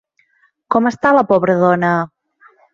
Com està la pobre dona?